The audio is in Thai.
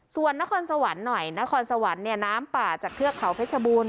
ส่วนนครสวรรค์หน่อยนครสวรรค์เนี่ยน้ำป่าจากเทือกเขาเพชรบูรณ